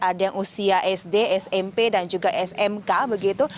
ada yang usia sd smp dan juga smk begitu